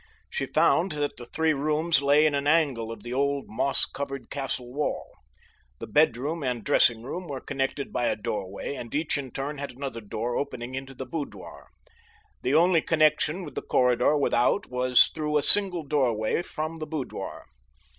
She found that the three rooms lay in an angle of the old, moss covered castle wall. The bedroom and dressing room were connected by a doorway, and each in turn had another door opening into the boudoir. The only connection with the corridor without was through a single doorway from the boudoir.